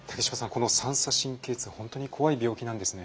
この三叉神経痛本当に怖い病気なんですね。